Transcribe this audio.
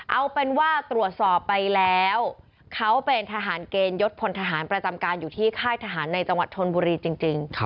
เอาเป็นว่าตรวจสอบไปแล้วเขาเป็นทหารเกณฑ์ยศพลทหารประจำการอยู่ที่ค่ายทหารในจังหวัดชนบุรีจริง